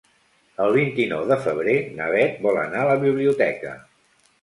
El vint-i-nou de febrer na Beth vol anar a la biblioteca.